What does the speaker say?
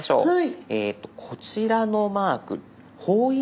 はい。